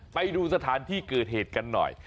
ไปดูสถานที่เกิดเหตุกันหน่อย